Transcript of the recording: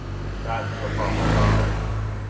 That’s the proper style.